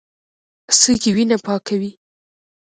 سږي وینه پاکوي.